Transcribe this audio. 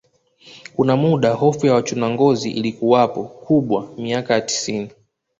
Kuna muda hofu ya wachuna ngozi ilikuwapo kubwa miaka ya tisini